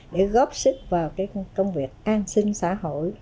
để góp sức vào cái công việc an sinh xã hội